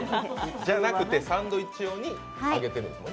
じゃなくて、サンドイッチ用に揚げてるんですね。